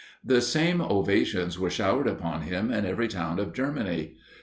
The same ovations were showered upon him in every town of Germany.